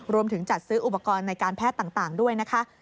จัดซื้ออุปกรณ์ในการแพทย์ต่างด้วยนะคะ